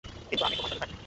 কিন্তু আমি তোমার সাথে থাকি।